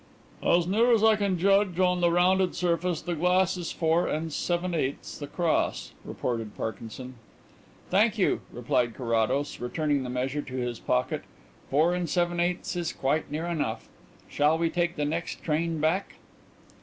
"As near as I can judge on the rounded surface, the glass is four and seven eighths across," reported Parkinson. "Thank you," replied Carrados, returning the measure to his pocket, "four and seven eighths is quite near enough. Now we will take the next train back."